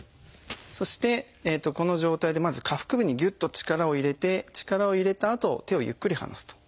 そしてこの状態でまず下腹部にぎゅっと力を入れて力を入れたあと手をゆっくり離すと。